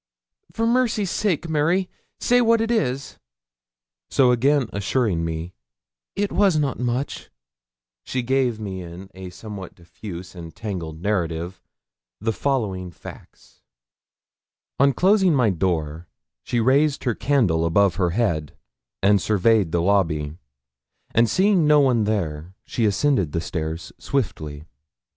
'For mercy's sake, Mary, say what it is?' So again assuring me 'it was not much,' she gave me in a somewhat diffuse and tangled narrative the following facts: On closing my door, she raised her candle above her head and surveyed the lobby, and seeing no one there she ascended the stairs swiftly.